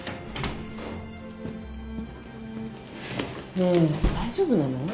ねえ大丈夫なの？